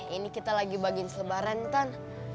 ini kita lagi bagiin selebaran kan